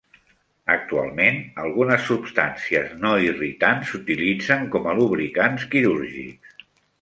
Actualment, algunes substàncies no irritants s'utilitzen com a lubricants quirúrgics.